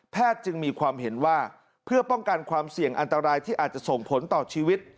จึงมีความเห็นว่าเพื่อป้องกันความเสี่ยงอันตรายที่อาจจะส่งผลต่อชีวิต